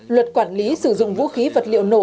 luật quản lý sử dụng vũ khí vật liệu nổ